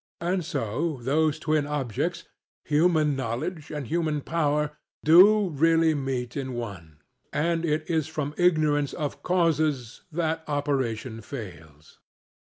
And so those twin objects, human Knowledge and human Power, do really meet in one; and it is from ignorance of causes that operation fails.